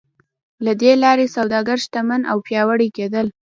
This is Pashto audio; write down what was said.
له دې لارې سوداګر شتمن او پیاوړي کېدل.